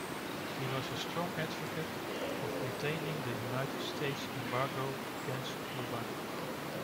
He was a strong advocate of retaining the United States embargo against Cuba.